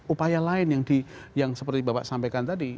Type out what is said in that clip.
upaya lain yang seperti bapak sampaikan tadi